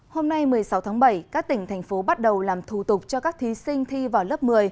hôm nay một mươi sáu tháng bảy các tỉnh thành phố bắt đầu làm thủ tục cho các thí sinh thi vào lớp một mươi